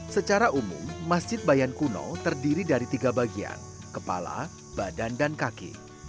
secara umum masjid bayan kuno terdiri dari tiga bagian kepala badan dan kaki